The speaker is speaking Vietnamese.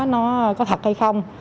nó có thật hay không